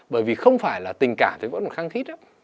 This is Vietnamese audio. bởi vì không phải là tình cảm thì vẫn khăng thích